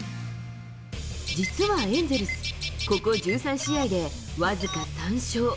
実はエンゼルス、ここ１３試合で僅か３勝。